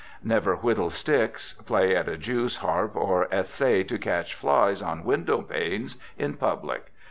Never whittle sticks, play on a jewsharp, or essay to catch flies on window panes in public.